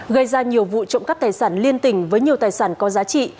gây ra nhiều vụ trộm cắp tài sản liên tỉnh với nhiều tài sản có giá trị